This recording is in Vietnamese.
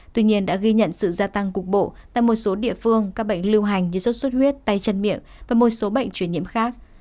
tuy nhiên đã ghi nhận sự gia tăng cục bộ tại một số địa phương các bệnh lưu hành như sốt xuất huyết tay chân miệng và một số bệnh truyền nhiễm khác